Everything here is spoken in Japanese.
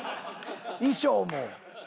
衣装も。